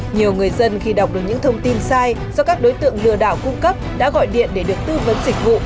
nhiều người dân khi đọc được những thông tin sai do các đối tượng lừa đảo cung cấp đã gọi điện để được tư vấn dịch vụ